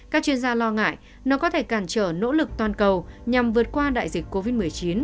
các chuyên gia lo ngại nó có thể cản trở nỗ lực toàn cầu nhằm vượt qua đại dịch covid một mươi chín